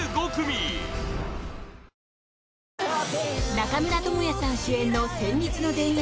中村倫也さん主演の戦りつの田園